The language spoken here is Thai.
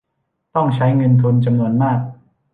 ต้องใช้เงินทุนจำนวนมาก